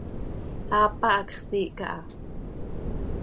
Aapa, hacx siih caha.